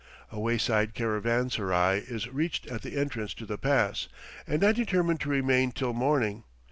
A wayside caravanserai is reached at the entrance to the pass, and I determine to remain till morning.